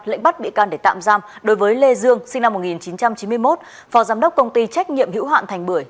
lệnh bắt bị can để tạm giam đối với lê dương sinh năm một nghìn chín trăm chín mươi một phó giám đốc công ty trách nhiệm hữu hạn thành bưởi